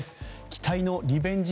期待のリベンジ